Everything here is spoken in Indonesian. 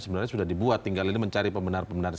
sudah dibuat tinggal ini mencari pemenar pemenar